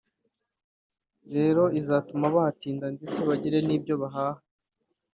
rero izatuma bahatinda ndetse bagire n’ibyo bahaha”